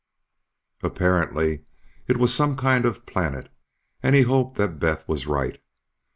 _ Apparently it was some kind of planet and he hoped that Beth was right.